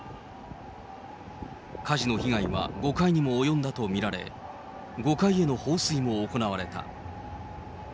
火事の被害は５階にも及んだと見られ、５階への放水も行われた。